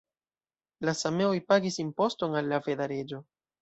La sameoj pagis imposton al la veda reĝo.